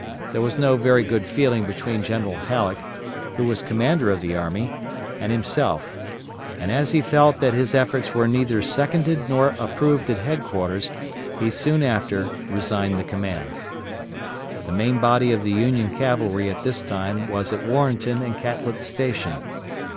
There was no very good feeling between General Halleck, who was commander of the army, and himself; and as he felt that his efforts were neither seconded nor approved at headquarters, he soon after resigned the command. The main body of the Union cavalry at this time was at Warrenton and Catlett's Station.